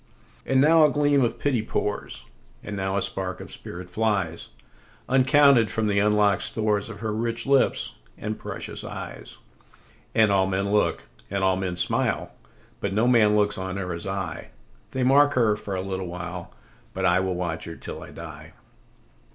And now a gleam of pity pours, And now a spark of spirit flies, Uncounted, from the unlock'd storesOf her rich lips and precious eyes. And all men look, and all men smile, But no man looks on her as I:They mark her for a little while, But I will watch her till I die.